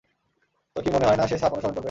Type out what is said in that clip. তোমার কি মনে হয় না সে ছাপ অনুসরণ করবে?